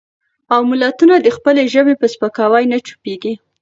او ملتونه د خپلې ژبې په سپکاوي نه چوپېږي.